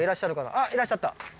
あっいらっしゃった。